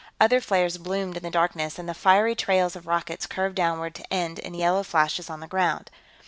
Other flares bloomed in the darkness, and the fiery trails of rockets curved downward to end in yellow flashes on the ground.